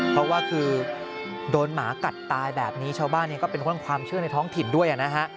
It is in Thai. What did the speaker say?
เพราะว่าคือโดนหมากัดตายแบบนี้ชาวบ้านเองก็เป็นห่วงความเชื่อในท้องถิ่นด้วยนะฮะ